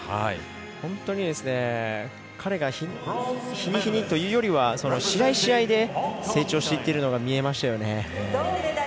本当に彼が日に日にというよりは試合試合で成長していっているのが見えましたね。